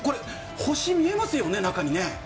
星、見えますよね、中にね。